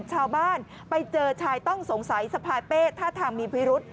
ชาวบ้านไปเจอชายต้องสงสัยสะพายเป้ท่าทางมีพิรุษ